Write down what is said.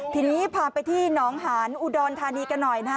ทีนี้พาไปที่หนองหานอุดรธานีกันหน่อยนะฮะ